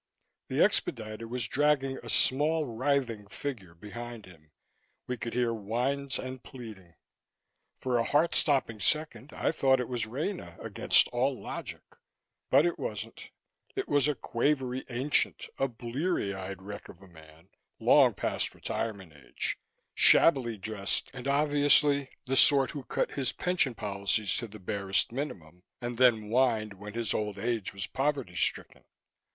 The expediter was dragging a small writhing figure behind him; we could hear whines and pleading. For a heart stopping second, I thought it was Rena, against all logic. But it wasn't. It was a quavery ancient, a bleary eyed wreck of a man, long past retirement age, shabbily dressed and obviously the sort who cut his pension policies to the barest minimum and then whined when his old age was poverty stricken.